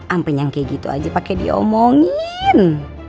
ampe nyangkik gitu aja pake diomongin